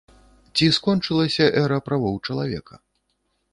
Ці скончылася эра правоў чалавека?